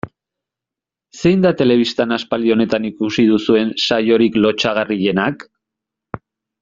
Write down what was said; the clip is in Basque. Zein da telebistan aspaldi honetan ikusi duzuen saiorik lotsagarrienak?